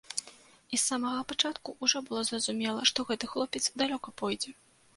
І з самага пачатку ўжо было зразумела, што гэты хлопец далёка пойдзе.